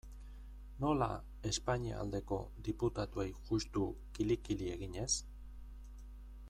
Nola, Espainia aldeko diputatuei juxtu kili-kili eginez?